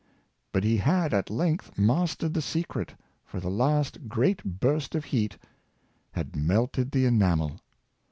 But he had at length mastered the secret, for the last great burst of heat had melted the enamel.